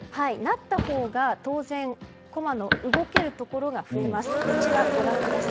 成ったほうが、当然駒の動けるところが増えます。